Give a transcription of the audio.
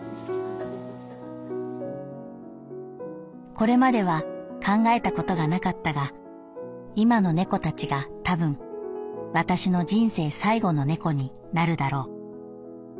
「これまでは考えたことがなかったが今の猫たちが多分私の人生最後の猫になるだろう。